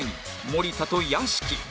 森田と屋敷